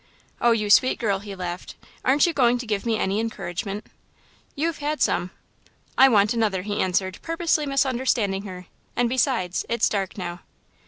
"Oh, you sweet girl," he laughed, "aren't you going to give me any encouragement?" "You've had some." "I want another," he answered, purposely misunderstanding her, "and besides, it's dark now."